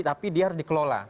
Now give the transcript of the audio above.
tapi dia harus dikelola